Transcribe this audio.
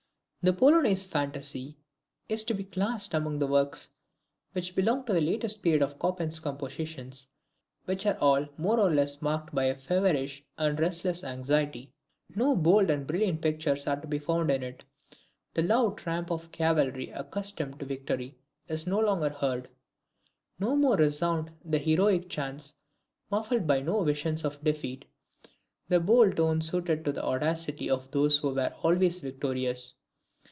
The "POLONAISE FANTAISIE" is to be classed among the works which belong to the latest period of Chopin's compositions, which are all more or less marked by a feverish and restless anxiety. No bold and brilliant pictures are to be found in it; the loud tramp of a cavalry accustomed to victory is no longer heard; no more resound the heroic chants muffled by no visions of defeat the bold tones suited to the audacity of those who were always victorious.